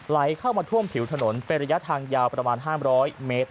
ไหลเข้ามาท่วมผิวถนนเป็นระยะทางยาวประมาณ๕๐๐เมตร